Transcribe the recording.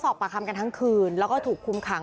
สอบปากคำกันทั้งคืนแล้วก็ถูกคุมขัง